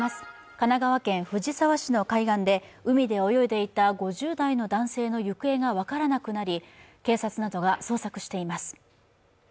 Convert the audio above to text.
神奈川県藤沢市の海岸で海で泳いでいた５０代の男性の行方が分からなくなり、警察などが捜索しています。